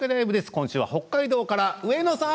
今週は北海道から上野さん。